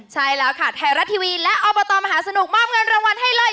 ใช่แล้วค่ะไทยรัฐทีวีและอบตมหาสนุกมอบเงินรางวัลให้เลย